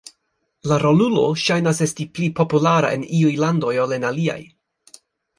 La rolulo ŝajnas esti pli populara en iuj landoj ol en aliaj.